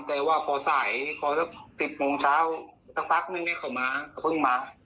แต่ว่าพอใสพอสิบโมงเช้าสักนึงเนี่ยเขามาเขาเพิ่งมา